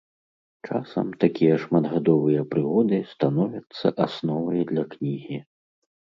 Часам такія шматгадовыя прыгоды становяцца асновай для кнігі.